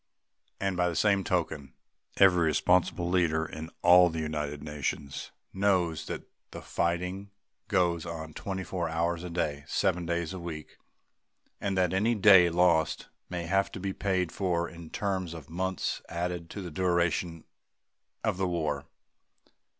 And, by the same token, every responsible leader in all the United Nations knows that the fighting goes on twenty four hours a day, seven days a week, and that any day lost may have to be paid for in terms of months added to the duration of the war.